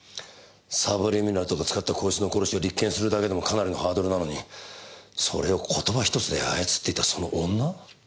サブリミナルとかを使ったこいつの殺しを立件するだけでもかなりのハードルなのにそれを言葉ひとつで操っていたその女？